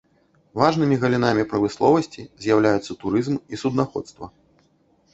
Важнымі галінамі прамысловасці з'яўляюцца турызм і суднаходства.